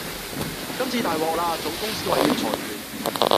今次大獲啦！總公司話要裁員